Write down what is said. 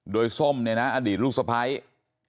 โดยส้มในนะอดีตลูกสไพเลอร์